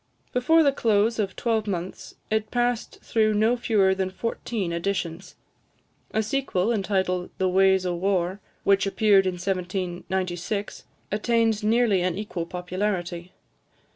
Before the close of twelvemonths, it passed through no fewer than fourteen editions. A sequel, entitled "The Waes o' War," which appeared in 1796, attained nearly an equal popularity.